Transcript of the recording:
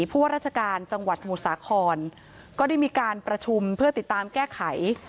พวกราชการจังหวัดสมุทรสาครก็ได้มีการประชุมเพื่อติดตามแก้ไข